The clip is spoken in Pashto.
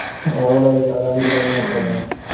غلی، د ارام ژوند نښه ده.